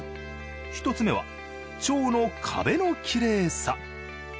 １つ目は腸の壁のキレイさ。